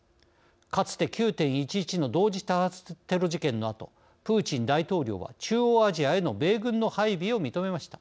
かつて９１１の同時多発テロ事件のあとプーチン大統領は中央アジアへの米軍の配備を認めました。